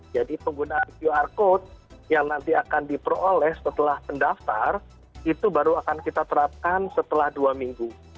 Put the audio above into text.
jadi pengguna qr code yang nanti akan diperoleh setelah pendaftar itu baru akan kita terapkan setelah dua minggu